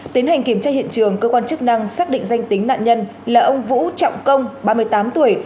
tiến hành kiểm tra hiện trường cơ quan chức năng xác định danh tính nạn nhân là ông vũ trọng công ba mươi tám tuổi